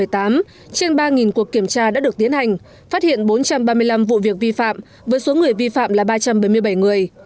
trên ba cuộc kiểm tra đã được tiến hành phát hiện bốn trăm ba mươi năm vụ việc vi phạm với số người vi phạm là ba trăm bảy mươi bảy người